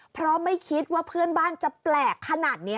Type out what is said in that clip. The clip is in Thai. เพราะไม่คิดว่าเพื่อนบ้านจะแปลกขนาดนี้